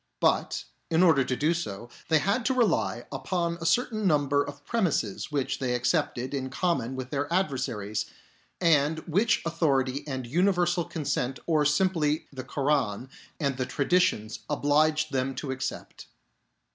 But, in order to do so, they had to rely upon a certain number of premises, which 'they accepted in common with their adversaries, and which authority and universal consent i or simply the Koran and the traditions obliged them to accept.